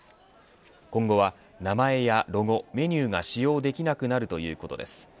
今後は名前やロゴ、メニューが使用できなくなるということです。